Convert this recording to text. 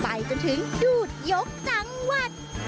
ไปจนถึงดูดยกสังวัตร